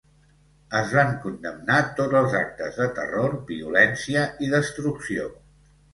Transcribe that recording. Es van condemnar tots els actes de terror, violència i destrucció.